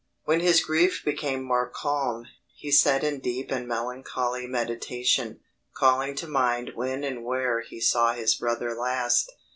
When his grief became more calm, he sat in deep and melancholy meditation, calling to mind when and where he saw his brother last.